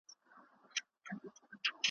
د باران اوبه د ځمکې د ژوند لپاره ګټورې دي.